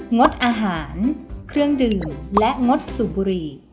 งดอาหารเครื่องดื่มและงดสูบบุหรี่